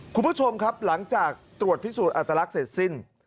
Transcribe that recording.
คุณผู้ชมครับหลังจากตรวจพิสูจนอัตลักษณ์เสร็จสิ้น